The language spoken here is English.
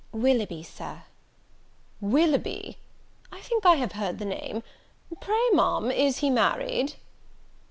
"Willoughby, Sir." "Willoughby! I think I have heard the name. Pray, Ma'am, is he married?"